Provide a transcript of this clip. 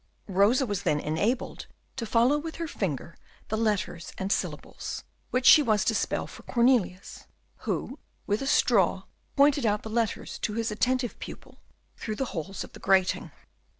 Rosa was then enabled to follow with her finger the letters and syllables, which she was to spell for Cornelius, who with a straw pointed out the letters to his attentive pupil through the holes of the grating.